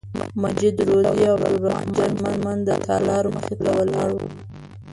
مجید روزي او عبدالرحمن جرمن د تالار مخې ته ولاړ وو.